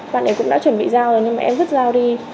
bạn ấy cũng đã chuẩn bị dao rồi nhưng mà em vứt dao đi